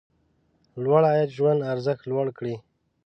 لوړ عاید ژوند ارزښت لوړ کړي.